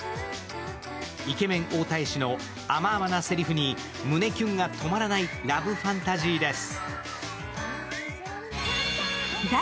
イケメン王太子の甘々なせりふに胸キュンが止まらないラブファンタジーです。